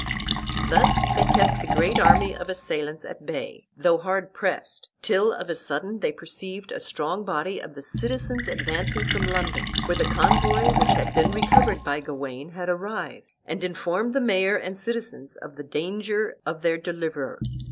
Thus they kept the great army of assailants at bay, though hard pressed, till of a sudden they perceived a strong body of the citizens advancing from London, where the convoy which had been recovered by Gawain had arrived, and informed the mayor and citizens of the danger of their deliverer.